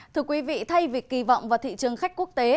thưa quý vị thay vì kỳ vọng vào thị trường khách quốc tế